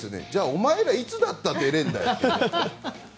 お前ら、いつだったら出れるんだよって。